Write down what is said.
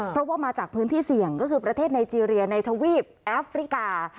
เพราะว่ามาจากพื้นที่เสี่ยงก็คือประเทศไนเจรียในทวีปแอฟริกา